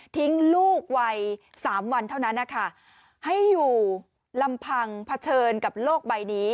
ทิ้งลูกวัยสามวันเท่านั้นนะคะให้อยู่ลำพังเผชิญกับโลกใบนี้